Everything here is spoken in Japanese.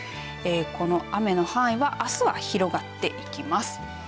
この雨の範囲はあすは広がっていきます。